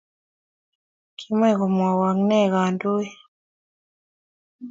Kimokumowoi nee kindonik.